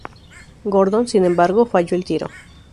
Gordon, sin embargo, falló el tiro.